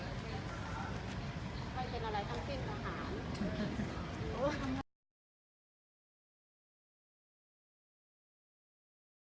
ไม่เป็นอะไรทั้งที่คิดอาหาร